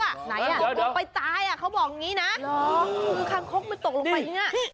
ไหนอ่ะคังคกมันตกลงไปตายเขาบอกอย่างนี้นะคังคกมันตกลงไปอย่างนี้